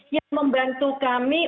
yang membantu kami